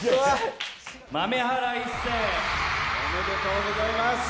豆原一成おめでとうございます。